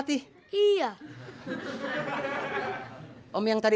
tidak ada yang sudah